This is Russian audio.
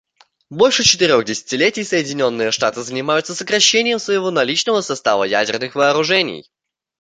Больше четырех десятилетий Соединенные Штаты занимаются сокращением своего наличного состава ядерных вооружений.